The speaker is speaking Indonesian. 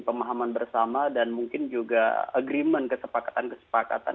pemahaman bersama dan mungkin juga agreement kesepakatan kesepakatan